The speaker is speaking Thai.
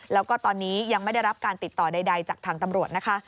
แล้วก็ตอนนี้ยังไม่ได้รับการติดต่อใดจากทางตำรวจนะคะ